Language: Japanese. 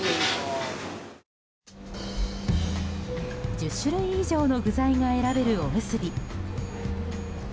１０種類以上の具材が選べるおむすび。